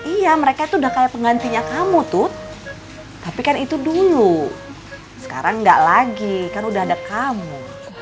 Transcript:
iya mereka tuh udah kayak penggantinya kamu tuh tapi kan itu dulu sekarang enggak lagi kan udah ada kamu